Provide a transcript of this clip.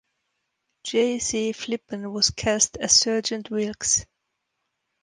Jay C. Flippen was cast as Sergeant Wilkes.